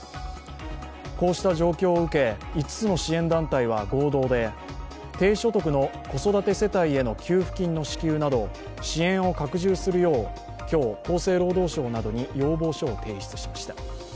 こうした状況を受け、５つの支援団体は合同で低所得の子育て世帯への給付金の支給など支援を拡充するよう今日、厚生労働省などに要望書を提出しました。